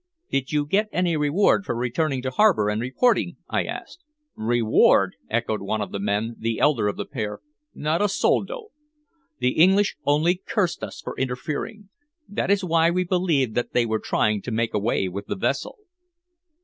"Did you get any reward for returning to harbor and reporting?" I asked. "Reward!" echoed one of the men, the elder of the pair. "Not a soldo! The English only cursed us for interfering. That is why we believed that they were trying to make away with the vessel."